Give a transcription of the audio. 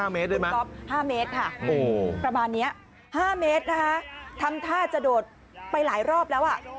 ๕เมตรได้ไหมครับโอ้โฮประมาณนี้๕เมตรทำท่าจะโดดไปหลายรอบแล้ว